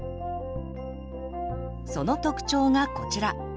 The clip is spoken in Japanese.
その特徴がこちら。